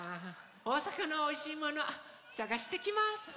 おおさかのおいしいものさがしてきます。